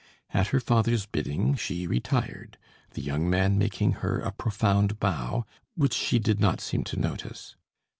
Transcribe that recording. At her father's bidding, she retired, the young man making her a profound bow, which she did not seem to notice.